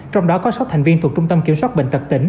trong đó có sáu thành viên thuộc trung tâm kiểm soát bệnh tật tỉnh